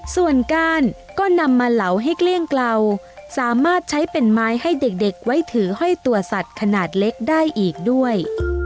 ส่วนก้านก็นำมาเหลาให้เกลี้ยงเกลาสามารถใช้เป็นไม้ให้เด็กไว้ถือห้อยตัวสัตว์ขนาดเล็กได้อีกด้วย